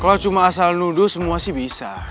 kalau cuma asal nuduh semua sih bisa